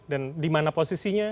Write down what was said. dan di mana posisinya